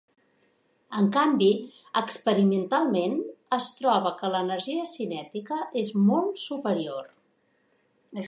En canvi, experimentalment es troba que l'energia cinètica és molt superior.